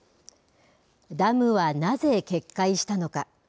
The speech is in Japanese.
ダムはなぜ決壊したのか。